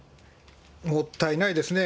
もったいないですね。